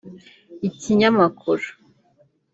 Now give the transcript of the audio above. Ikinyamakuru